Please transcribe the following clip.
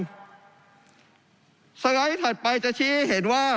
ฉะดีแล้วครับหลักไปจะชี้เห็นว่า